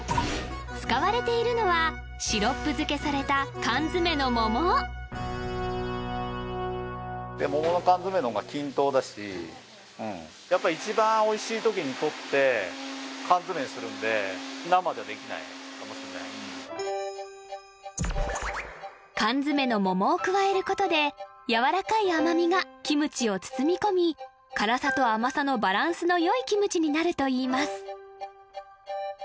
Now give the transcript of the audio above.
使われているのは缶詰の桃を加えることでやわらかい甘みがキムチを包み込み辛さと甘さのバランスのよいキムチになるといいます